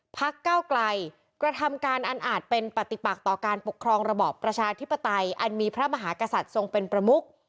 พักเก้าไกลกระทำการอันอาจเป็นปฏิปักต่อการปกครองระบอบประชาธิปไตยอันมีพระมหากษัตริย์ทรงเป็นประมุก